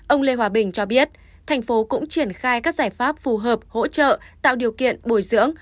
ông lê hòa bình cho biết thành phố cũng triển khai các giải pháp phù hợp hỗ trợ tạo điều kiện bồi dưỡng